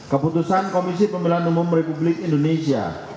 keputusan komisi pemilihan umum republik indonesia